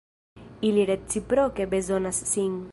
Ili reciproke bezonas sin.